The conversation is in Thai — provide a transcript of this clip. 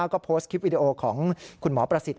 ก็โพสต์คลิปวิดีโอของคุณหมอประสิทธิ